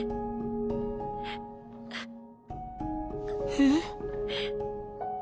えっ？